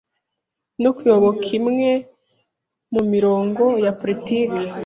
no kuyoboka imwe mu mirongo ya politiki